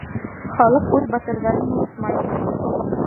Халыҡ үҙ батырҙарын онотмай.